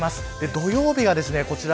土曜日はこちら。